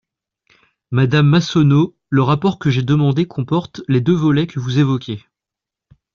Madame Massonneau, le rapport que j’ai demandé comporte les deux volets que vous évoquez.